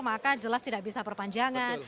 maka jelas tidak bisa perpanjangan